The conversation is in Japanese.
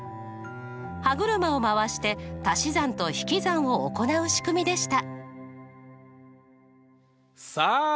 歯車を回して足し算と引き算を行う仕組みでした。